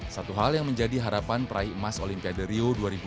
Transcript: satu hal yang menjadi harapan peraih emas olimpiade rio